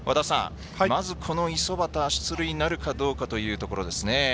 まず五十幡、出塁なるかどうかというところですね。